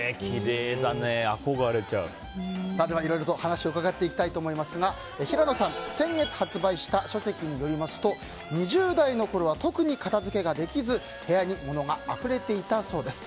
いろいろと話を伺っていきたいと思いますが平野さん、先月発売した書籍によりますと２０代のころは特に片付けができず部屋に物があふれていたそうです。